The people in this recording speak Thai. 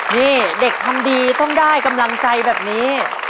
นี่เด็กทำดีต้องได้กำลังใจแบบนี้